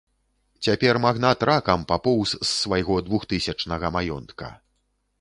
Цяпер магнат ракам папоўз з свайго двухтысячнага маёнтка.